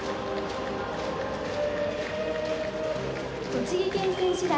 栃木県選手団。